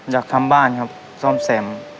อยากทำบ้านครับซ่อมแซม